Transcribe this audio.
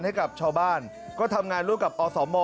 ให้กับชาวบ้านก็ทำงานร่วมกับอสม